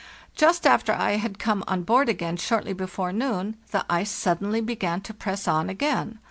Just after I had come on board again short ly before noon the ice suddenly began to press on again.